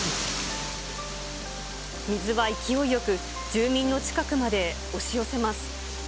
水は勢いよく、住民の近くまで押し寄せます。